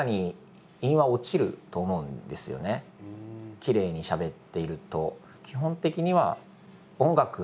きれいにしゃべっていると。